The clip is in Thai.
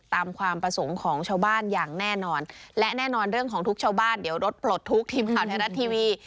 ตามความประสงค์ของชาวบ้านอย่างแน่นอนและแน่นอนเรื่องของทุกชาวบ้านเดี๋ยวรถปลดทุกข์ทีมข่าวไทยรัฐทีวี